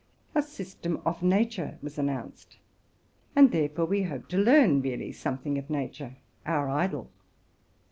A system of nature was announced ; and there fore we hoped to learn really something of nature, —our idol.